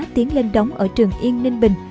tiến lên đóng ở trường yên ninh bình